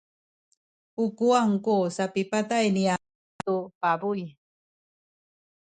u kuwang ku sapipatay ni ama tu pabuy.